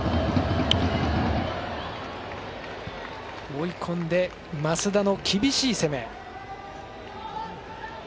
追い込んで増田の厳しい攻め。